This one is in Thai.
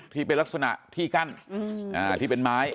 ที่เป็นลักษณะที่กั้นที่เป็นไม้